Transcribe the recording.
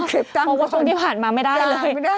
เพราะว่าช่วงที่ผ่านมาไม่ได้เลย